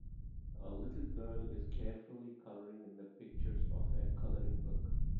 A little girl is carefully coloring in the pictures of a coloring book.